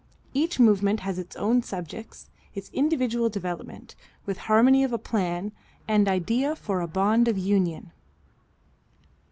Each movement has its own subjects, its individual development, with harmony of plan and idea for a bond of union.